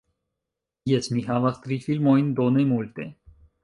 Jes, mi havas tri filmojn, do ne multe